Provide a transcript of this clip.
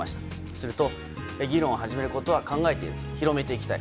すると議論を始めることは考えている、広めていきたい。